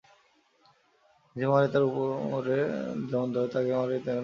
যে মারে তার উপরে তাঁর যেমন দয়া, যাকে মারে তার উপরেও তেমনি।